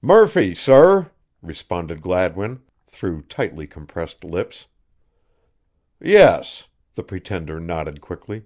"Murphy, sorr," responded Gladwin, through tightly compressed lips. "Yes," the pretender nodded quickly.